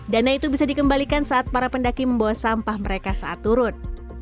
dana itu bisa dikembalikan saat para pendaki membawa sampah mereka saat turun